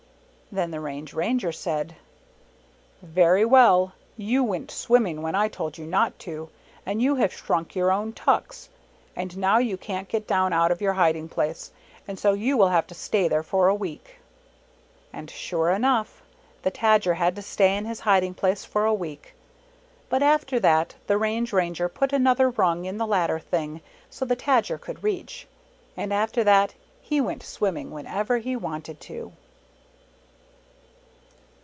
Then the Range Ranger said, "Very well, you went swimming when I told you not to, and you have shrunk your own tucks, and now you can't get down out of your hiding place, and so you will have to stay there for a week." And sure enough, the Tajer had to stay in his hiding place for a week. But after that the Range Ranger put another rung in the ladder thing, so the Tajer could reach. And after that he went swim ming whenever he wanted to.